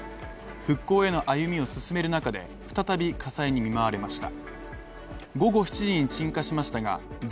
復興への歩みを進める中で再び火災に見舞われました。